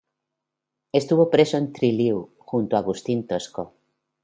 Estuvo preso en Trelew junto a Agustín Tosco.